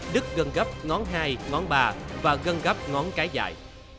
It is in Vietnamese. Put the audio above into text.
đứt gân gấp ngón hai ngón ba và gân gấp ngón cái dại